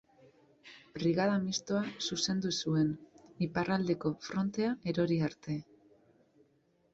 Brigada Mistoa zuzendu zuen, iparraldeko frontea erori arte.